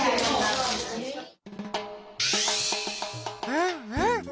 うんうん。